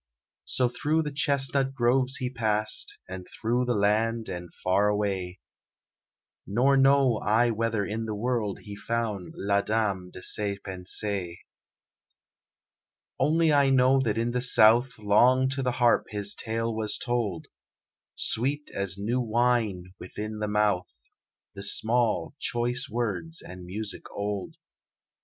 So through the chestnut groves he passed, And through the land and far away; Nor know I whether in the world He found la dame de ses pensées. Only I know that in the South Long to the harp his tale was told; Sweet as new wine within the mouth The small, choice words and music old.